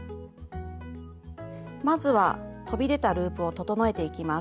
まずは飛び出たループを整えていきます。